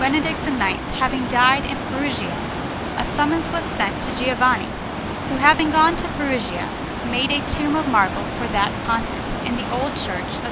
Andrea, Pistoia_)] Afterwards, Pope Benedict IX having died in Perugia, a summons was sent to Giovanni, who, having gone to Perugia, made a tomb of marble for that Pontiff in the old Church of S.